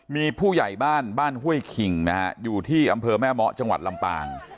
มีผู้ใหญ่บ้านบ้านห้วยคิงนะฮะอยู่ที่อำเภอแม่เมาะจังหวัดลำปาง